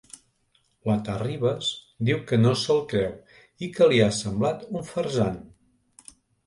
La Terribas diu que no se'l creu i que li ha semblat un farsant.